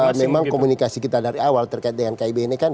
ya memang komunikasi kita dari awal terkait dengan kib ini kan